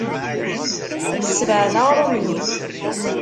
Ssebɛed aɣrum-nni.